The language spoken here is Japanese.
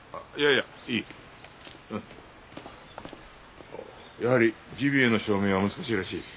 やはりジビエの証明は難しいらしい。